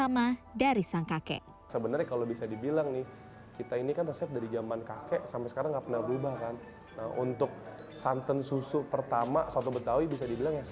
biarpun gak ditambah msg atau penyedap